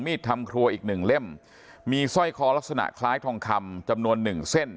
ทำครัวอีกหนึ่งเล่มมีสร้อยคอลักษณะคล้ายทองคำจำนวนหนึ่งเส้น